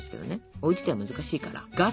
おうちでは難しいから。